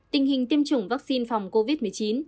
tình hình tiêm chủng vaccine phòng covid một mươi chín